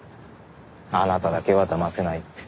あなただけはだませないって。